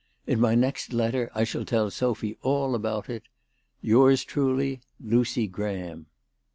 In my next letter I shall tell Sophy all about it. " Yours truly, "Lucy GRAHAM."